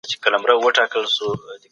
تر هغې چي هغه راغی ما کار کړی و.